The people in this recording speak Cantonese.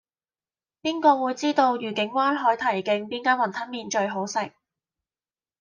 邊個會知道愉景灣海堤徑邊間雲吞麵最好食